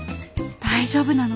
大丈夫なの？